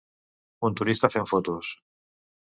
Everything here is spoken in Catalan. Un turista fent fotos.